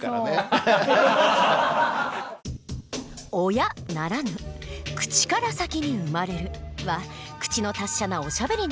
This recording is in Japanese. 「親」ならぬ「口から先に生まれる」は口の達者なおしゃべりの人の事。